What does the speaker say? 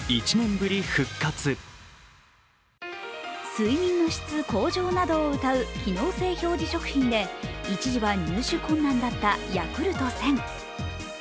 睡眠の質向上などをうたう機能性表示食品で一時は入手困難だったＹａｋｕｌｔ１０００。